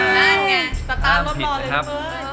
นั่นไงตามผิดนะครับ